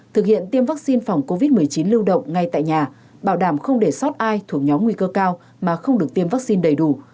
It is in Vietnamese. thực hiện tiêm vaccine phòng covid một mươi chín lưu động ngay tại nhà bảo đảm không để sót ai thuộc nhóm nguy cơ cao mà không được tiêm vaccine đầy đủ